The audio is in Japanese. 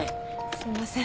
すいません。